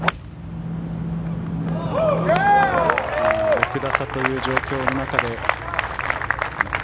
６打差という状況の中で。